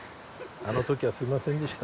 あの時はすみませんでした。